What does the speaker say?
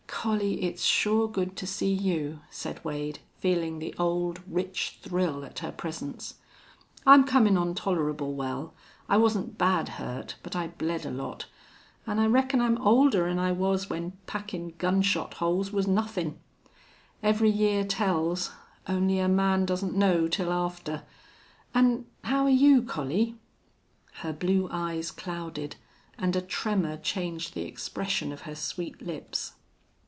"Collie, it's sure good to see you," said Wade, feeling the old, rich thrill at her presence. "I'm comin' on tolerable well. I wasn't bad hurt, but I bled a lot. An' I reckon I'm older 'n I was when packin' gun shot holes was nothin'. Every year tells. Only a man doesn't know till after.... An' how are you, Collie?" Her blue eyes clouded, and a tremor changed the expression of her sweet lips.